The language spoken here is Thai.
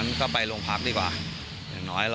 มันต้องการมาหาเรื่องมันจะมาแทงนะ